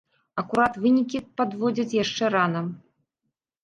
Акурат вынікі падводзіць яшчэ рана.